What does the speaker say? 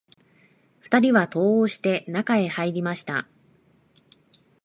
二人は戸を押して、中へ入りました